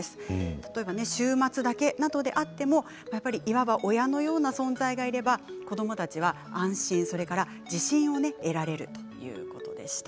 例えば週末だけなどであってもいわば親のような存在がいれば子どもたちは安心それから自信を得られるということでした。